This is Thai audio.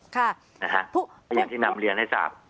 ค่ะนะฮะอย่างที่นำเรียนให้ทราบ